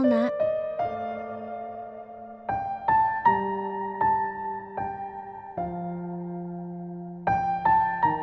selamat natal bu